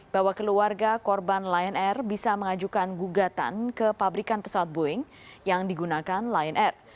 bahwa keluarga korban lion air bisa mengajukan gugatan ke pabrikan pesawat boeing yang digunakan lion air